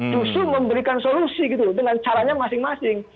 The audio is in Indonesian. justru memberikan solusi gitu loh dengan caranya masing masing